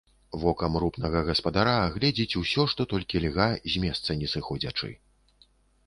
Вокам рупнага гаспадара агледзіць усё, што толькі льга, з месца не сыходзячы.